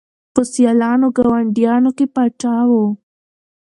په سیالانو ګاونډیانو کي پاچا وو